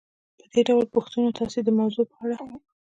په دې ډول پوښتنو تاسې د موضوع په اړه